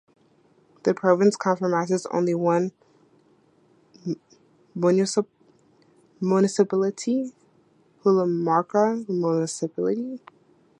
The province comprises only one municipality, Huayllamarca Municipality.